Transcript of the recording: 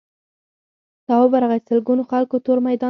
تواب ورغی سلگونو خلکو تور میدان ته کتل.